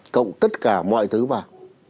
cộng tất cả mọi thứ vào